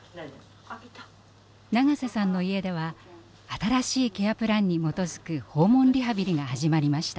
長瀬さんの家では新しいケアプランに基づく訪問リハビリが始まりました。